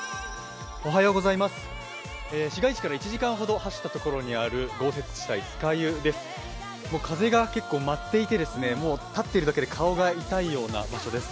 市街地から１時間ほど走ったところにある豪雪地帯、酸ヶ湯です風が結構舞っていて、立っているだけで顔が痛いような場所です。